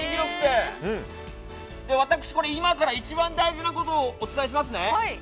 私、今から一番大事なことをお伝えしますね。